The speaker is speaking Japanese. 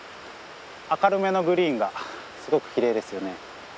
明るめのグリーンがすごくきれいですよね。